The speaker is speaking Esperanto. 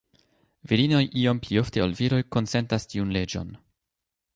Virinoj iom pli ofte ol viroj konsentas tiun leĝon.